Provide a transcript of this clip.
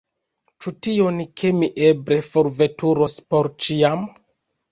Ĉu tion, ke mi eble forveturos por ĉiam?